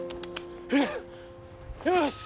よし！